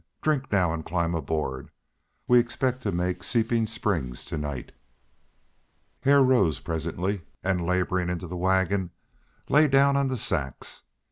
Drink now, and climb aboard. We expect to make Seeping Springs to night." Hare rose presently and, laboring into the wagon, lay down on the sacks.